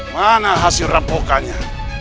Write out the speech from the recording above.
mana hasil rempokannya